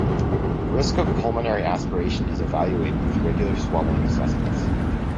Risk of pulmonary aspiration is evaluated with regular swallowing assessments.